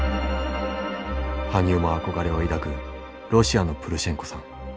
羽生も憧れを抱くロシアのプルシェンコさん。